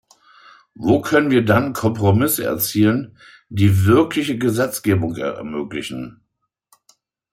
Wo können wir dann Kompromisse erzielen, die wirkliche Gesetzgebung ermöglichen?